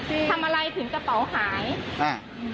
เมื่อกี้นานแล้วพี่ทำยังไงอ่ะ